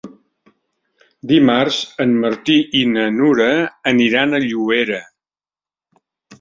Dimarts en Martí i na Nura aniran a Llobera.